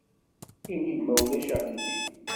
Ini-d ma ulac aɣilif.